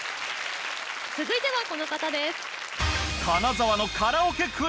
続いてはこの方です。